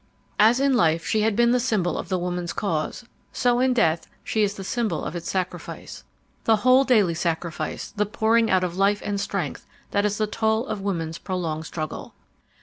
"As in life she had been the symbol of the woman's cause so in death she is the symbol of its sacrifice. The whole daily sacrifice, the pouring out of life and strength that is the toll of woman's prolonged struggle.